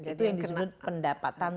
jadi yang disebut pendapatan